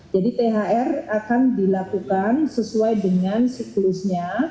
jadi thr akan dilakukan sesuai dengan siklusnya